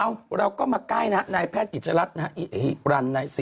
เอ้าเราก็มาใกล้นะครับนายแพทย์กิจรัฐนะครับ